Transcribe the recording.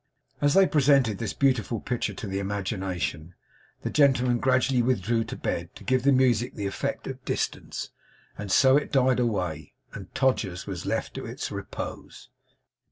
As they presented this beautiful picture to the imagination, the gentlemen gradually withdrew to bed to give the music the effect of distance; and so it died away, and Todgers's was left to its repose.